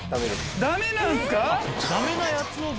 ダメなんすか！